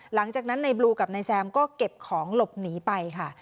หลังจากนั้นในบลูกับนายแซมก็เก็บของหลบหนีไปค่ะ